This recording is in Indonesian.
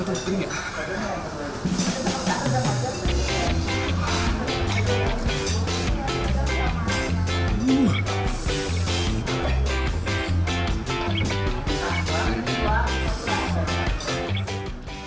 ini enggak boleh cabai